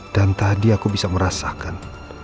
dan tadi aku bisa merasakan